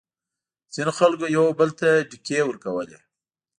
ځینو خلکو یو او بل ته ډیکې ورکولې.